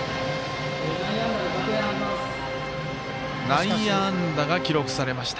内野安打が記録されました。